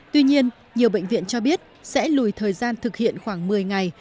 tuy nhiên nhiều bệnh viện cho biết sẽ lùi thời gian thực hiện khoảng một mươi ngày